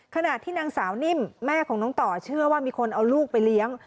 ขณะที่นางสาวนิ่มแม่ของน้องต่อเชื่อว่ามีคนเอาลูกไปเลี้ยง